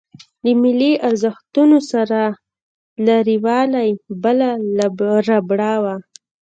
له ملي ارزښتونو سره لريوالۍ بله ربړه وه.